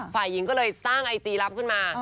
ฝ่ายหญิงก็เลยสร้างไอจีรับขึ้นมา